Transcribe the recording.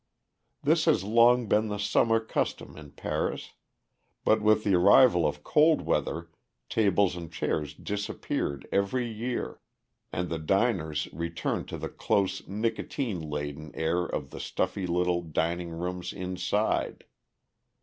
This has long been the summer custom in Paris, but with the arrival of cold weather tables and chairs disappeared every year, and the diners returned to the close nicotine laden air of the stuffy little dining rooms inside.